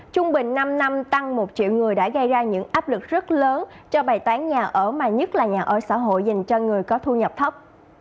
trung bình năm năm tăng một triệu người đã gây ra những áp lực rất lớn cho bày toán nhà ở mà nhất là nhà ở xã hội dành cho người có thu nhập thấp